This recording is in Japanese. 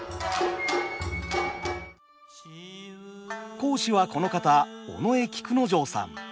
講師はこの方尾上菊之丞さん。